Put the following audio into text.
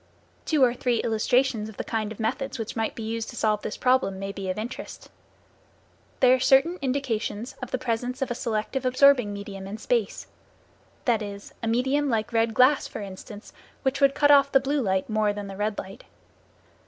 Two or three illustrations of the kind of methods which might be used to solve this problem may be of interest. There are certain indications of the presence of a selective absorbing medium in space. That is, a medium like red glass, for instance, which would cut off the blue light more than the red light.